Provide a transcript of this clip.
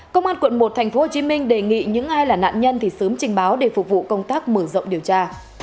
công an quận một tp hcm đề nghị những ai là nạn nhân thì sớm trình báo để phục vụ công tác mở rộng điều tra